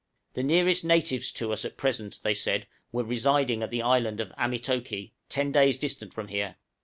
The nearest natives to us at present, they said, were residing at the island of Amitoke, ten days' journey distant from here.